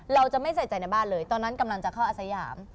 เราจะไม่ใส่ใจในบ้านเลยตอนนั้นกำลังจะเข้าอาสยาม